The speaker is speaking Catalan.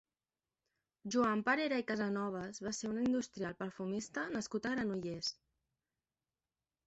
Joan Parera i Casanovas va ser un industrial perfumista nascut a Granollers.